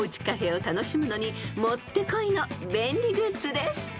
カフェを楽しむのにもってこいの便利グッズです］